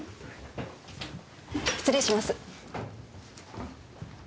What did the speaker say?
失礼します。